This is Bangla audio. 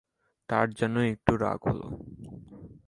তাঁর যেনো একটু রাগ হলো।